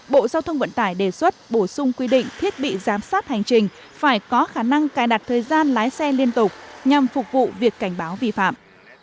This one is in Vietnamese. bộ giao thông vận tải đề xuất bổ sung quy định thiết bị giám sát hành trình phải có khả năng cài đặt thời gian lái xe liên tục nhằm phục vụ việc cảnh báo vi phạm